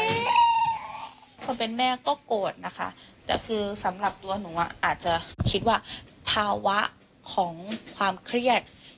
คนเป็นแม่ก็โกรธนะคะแต่คือสำหรับตัวหนูอาจจะคิดว่าภาวะของความเครียด